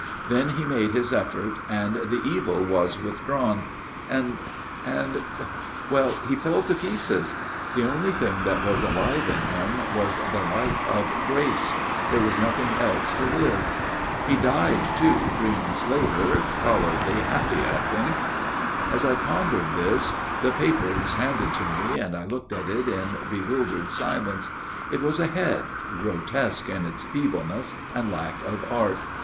Then he made his effort and the evil was withdrawn and and, well he fell to pieces. The only thing that was alive in him was the life of grace. There was nothing THE FATHER RECTOR'S STORY 87 else to live. He died, too, three months later, tolerably happy, I think." As I pondered this the paper was handed to me, and I looked at it in bewildered silence. It was a head, grotesque in its feebleness and lack of art.